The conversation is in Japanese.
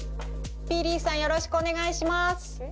皮力さんよろしくお願いします。